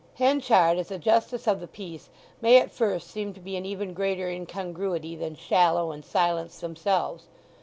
Henchard as a Justice of the Peace may at first seem to be an even greater incongruity than Shallow and Silence themselves.